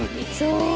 そう！